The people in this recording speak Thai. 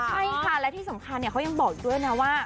ใช่ค่ะและที่สำคัญเขายังบอกอีกด้วยนะว่า